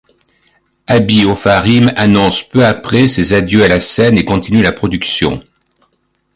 Abi Ofarim annonce peu après ses adieux à la scène et continue la production.